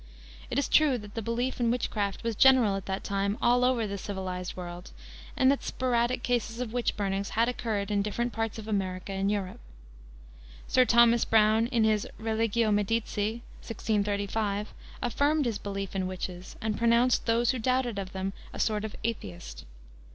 It is true that the belief in witchcraft was general at that time all over the civilized world, and that sporadic cases of witch burnings had occurred in different parts of America and Europe. Sir Thomas Browne, in his Religio Medici, 1635, affirmed his belief in witches, and pronounced those who doubted of them "a sort of atheist."